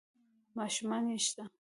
ـ ماشومان يې شته؟